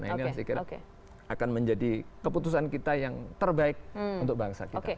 nah ini harus dikira akan menjadi keputusan kita yang terbaik untuk bangsa kita